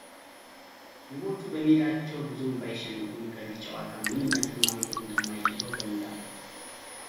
ንቦቹ በሜዳቸው ብዙም ባይሸነፉም ከዚህ ጨዋታ ምንም ነጥብ ማግኘት እንደማይችሉ እገምታለሁ።